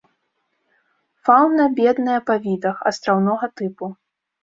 Фауна бедная па відах, астраўнога тыпу.